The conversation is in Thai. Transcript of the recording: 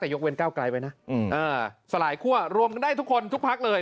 แต่ยกเว้นก้าวไกลไปนะสลายคั่วรวมกันได้ทุกคนทุกพักเลย